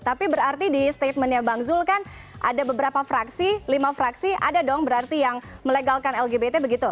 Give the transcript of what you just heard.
tapi berarti di statementnya bang zul kan ada beberapa fraksi lima fraksi ada dong berarti yang melegalkan lgbt begitu